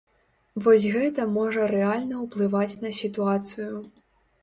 Вось гэта можа рэальна ўплываць на сітуацыю.